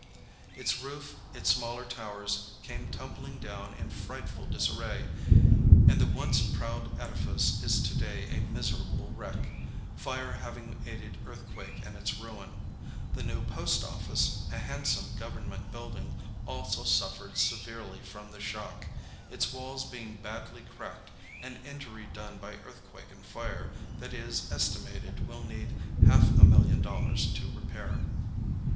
Its roof, its smaller towers came tumbling down in frightful disarray, and the once proud edifice is to day a miserable wreck, fire having aided earthquake in its ruin. The new Post Office, a handsome government building, also suffered severely from the shock, its walls being badly cracked and injury done by earthquake and fire that it is estimated will need half a million dollars to repair.